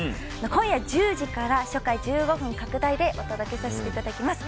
今夜１０時から初回１５分拡大でお届けさせていただきます。